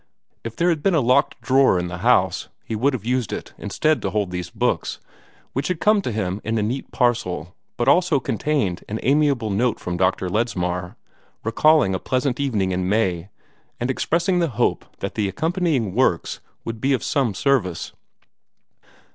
If there had been a locked drawer in the house, he would have used it instead to hold these books, which had come to him in a neat parcel, which also contained an amiable note from Dr. Ledsmar, recalling a pleasant evening in May, and expressing the hope that the accompanying works would be of some service.